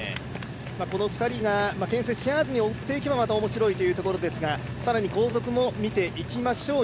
この２人がけん制し合わずに追っていけば、面白いところですが、更に後続も見ていきましょう。